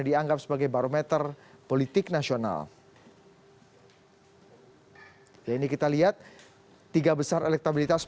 dan apakah hoax